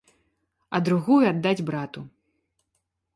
А другую аддаць брату.